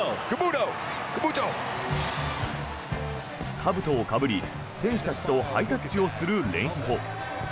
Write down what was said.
かぶとをかぶり、選手たちとハイタッチするレンヒーフォ。